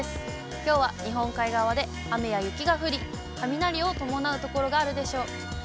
きょうは日本海側で雨や雪が降り、雷を伴う所があるでしょう。